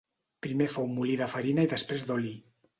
Primer fou molí de farina i després d'oli.